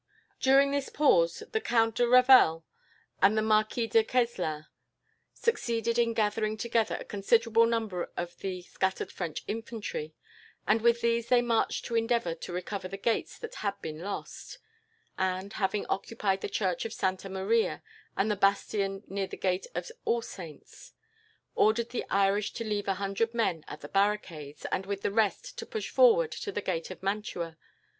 "During this pause, the Count de Revel and the Marquis de Queslin succeeded in gathering together a considerable number of the scattered French infantry, and with these they marched to endeavour to recover the gates that had been lost, and, having occupied the church of Santa Maria, and a bastion near the gate of All Saints, ordered the Irish to leave a hundred men at the barricades, and with the rest to push forward to the gate of Mantua.